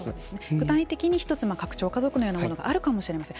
具体的に１つ拡張家族のようなものがあるかもしれません。